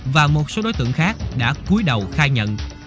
và một số đối tượng khác đã cuối đầu khai nhận